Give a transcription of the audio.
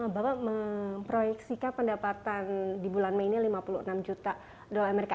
bapak memproyeksikan pendapatan di bulan mei ini lima puluh enam juta dolar amerika